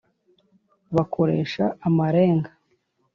bakoresha amarenga